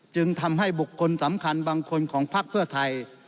จึงทำให้บุคคลสำคัญบางคนของพักเพื่อไทย